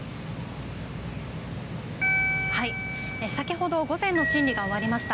先ほど午前の審理が終わりました。